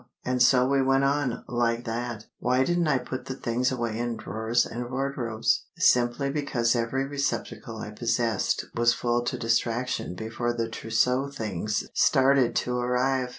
And so we went on like that! Why didn't I put the things away in drawers and wardrobes? Simply because every such receptacle I possessed was full to distraction before the trousseau things started to arrive!